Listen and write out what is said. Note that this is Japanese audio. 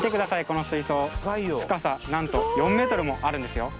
この水槽深さなんと４ｍもあるんですよ